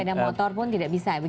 bahkan sepeda motor pun tidak bisa ya